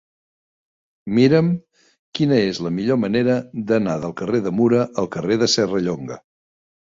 Mira'm quina és la millor manera d'anar del carrer de Mura al carrer de Serrallonga.